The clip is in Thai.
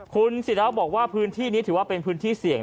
คุณศิราบอกว่าพื้นที่นี้ถือว่าเป็นพื้นที่เสี่ยง